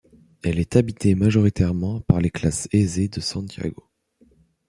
Elle est habitée majoritairement par les classes aisées de Santiago.